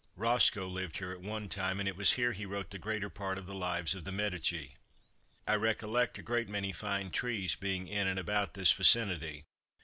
Roscoe lived here at one time, and it was here he wrote the greater part of the lives of "The Medici." I recollect a great many fine trees being in and about this vicinity.